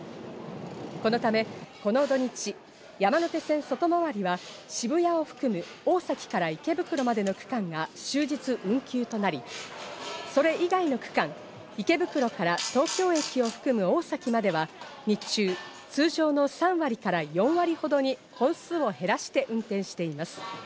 このため、この土日、山手線外回りは渋谷を含む大崎から池袋までの区間が終日運休となり、それ以外の区間、池袋から東京駅を含む大崎までは日中、通常の３割４割ほどに本数を減らして運転しています。